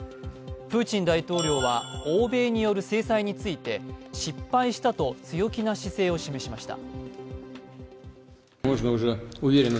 プーチン大統領は、欧米による制裁について、失敗したと強気な姿勢を示しました。